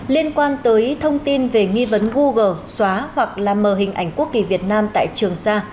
liên quan tới thông tin về nghi vấn google xóa hoặc là mờ hình ảnh quốc kỳ việt nam tại trường sa